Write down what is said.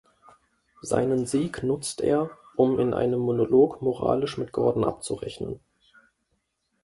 Seinen Sieg nutzt er, um in einem Monolog moralisch mit Gordon abzurechnen.